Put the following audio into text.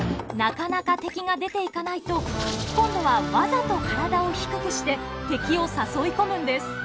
なかなか敵が出ていかないと今度はわざと体を低くして敵を誘い込むんです。